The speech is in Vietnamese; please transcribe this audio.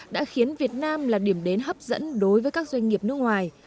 đã khiến việt nam là điểm đến hấp dẫn đối với các doanh nghiệp nước ngoài